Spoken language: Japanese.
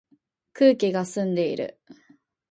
空気が澄んでいる